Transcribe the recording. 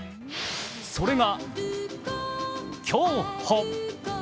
それが競歩。